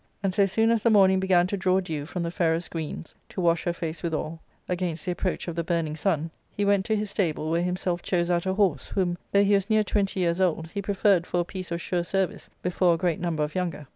And so soon as the morning began to draw dew from the fairest greens to wash her face withal, against the approach of the burning sun, he went to his stable, where himself chose out a horse, whom, though he was near twenty years old, he preferred for a piece of sure service before a great number of younger.